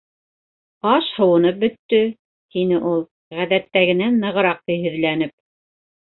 Аш һыуынып бөттө, - тине ул, ғәҙәттәгенән нығыраҡ көйһөҙләнеп.